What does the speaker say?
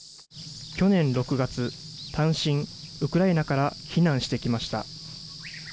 去年６月、単身、ウクライナから避難してきました。